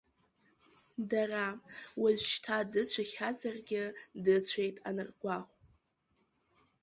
Дара, уажәшьҭа дыцәахьазаргьы дыцәеит аныргәахә…